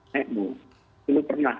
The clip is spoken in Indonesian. nekmu dulu pernah